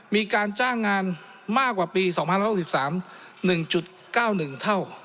มีการจ้างงานมากกว่าปี๒๐๖๓๑๙๑เท่า